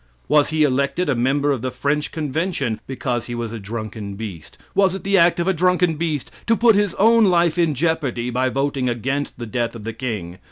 Was he elected a member of the French convention because he was a drunken beast? Was it the act of a drunken beast to put his own life in jeopardy by voting against the death of the King?